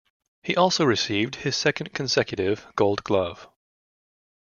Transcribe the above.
He also received his second consecutive Gold Glove.